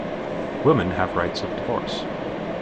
Women have rights of divorce.